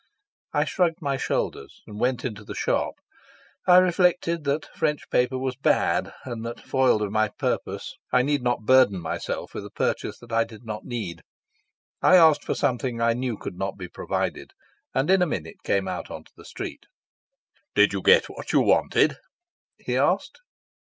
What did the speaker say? I shrugged my shoulders, and went into the shop. I reflected that French paper was bad, and that, foiled of my purpose, I need not burden myself with a purchase that I did not need. I asked for something I knew could not be provided, and in a minute came out into the street. "Did you get what you wanted?" he asked.